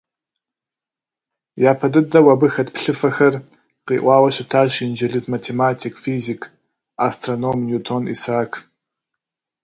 Япэ дыдэу абы хэт плъыфэхэр къриӏуауэ щытащ инджылыз математик, физик, астроном Ньютон Исаак.